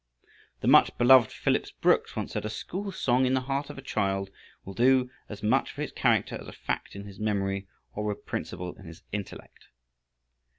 The much beloved Phillips Brooks once said: "A school song in the heart of a child will do as much for his character as a fact in his memory, or a principle in his intellect."